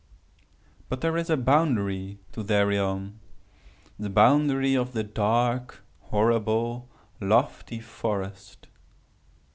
"But there is a boundary to their realm—the boundary of the dark, horrible, lofty forest.